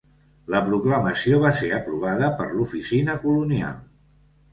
La proclamació va ser aprovada per l'Oficina Colonial.